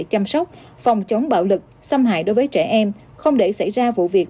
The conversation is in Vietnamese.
chăm sóc phòng chống bạo lực xâm hại đối với trẻ em không để xảy ra vụ việc